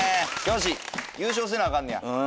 優勝せなあかんねや。